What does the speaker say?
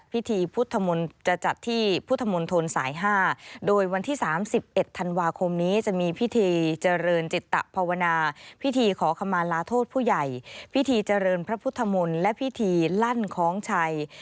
พิธีเจริญพระพุทธมนต์และพิธีลั่นของชัย